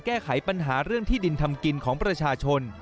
แก้ไขปัญหาเรื่องที่ดินทำกินของประชาชน